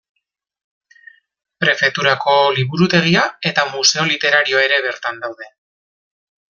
Prefeturako liburutegia eta Museo literarioa ere bertan daude.